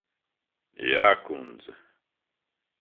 Jā, kundze.